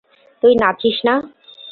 তুই নাচিস না?